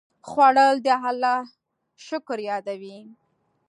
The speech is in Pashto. خوړل د الله شکر یادوي